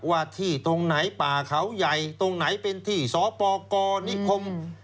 ว่าที่ตรงไหนป่าเขาใหญ่ตรงไหนเป็นที่สอปอกอร์นี่คงอ่า